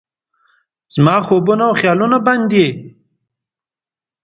زما خوبونه او خیالونه بند دي